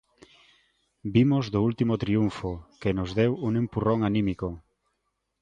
Vimos do último triunfo, que nos deu un empurrón anímico.